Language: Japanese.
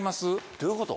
どういうこと？